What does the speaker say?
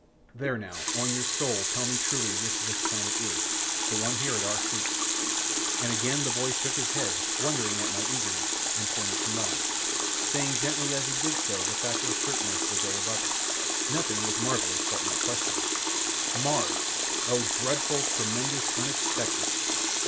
There now, on your soul tell me truly which this planet is, the one here at our feet?" And again the boy shook his head, wondering at my eagerness, and pointed to Mars, saying gently as he did so the fact was certain as the day above us, nothing was marvellous but my questioning. Mars! oh, dreadful, tremendous, unexpected!